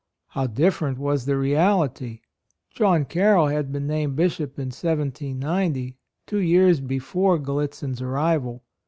How different was the reality! John Carroll had been named Bishop in 1790, two years before Gallitzin's arrival.